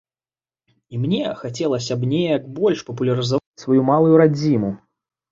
І мне хацелася б неяк больш папулярызаваць сваю малую радзіму.